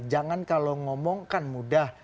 jangan kalau ngomong kan mudah